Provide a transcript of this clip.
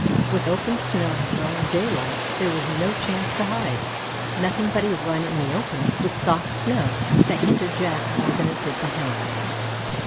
With open snow and growing daylight there was no chance to hide, nothing but a run in the open with soft snow that hindered the Jack more than it did the Hound.